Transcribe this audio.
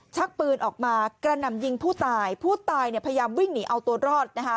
ชักปืนออกมากระหน่ำยิงผู้ตายผู้ตายเนี่ยพยายามวิ่งหนีเอาตัวรอดนะคะ